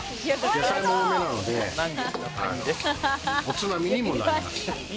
野菜も多めなので、おつまみにもなります。